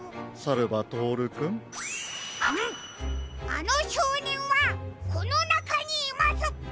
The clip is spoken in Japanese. あのしょうねんはこのなかにいます！